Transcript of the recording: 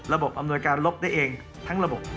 อำนวยการลบได้เองทั้งระบบ